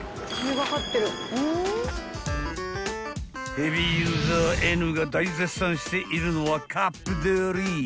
［ヘビーユーザーＮが大絶賛しているのは］